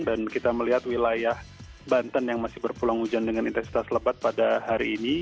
dan kita melihat wilayah banten yang masih berpulau hujan dengan intensitas lebat pada hari ini